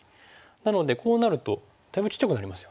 なのでこうなるとだいぶちっちゃくなりますよね。